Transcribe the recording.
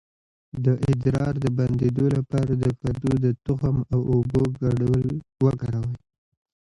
د ادرار د بندیدو لپاره د کدو د تخم او اوبو ګډول وکاروئ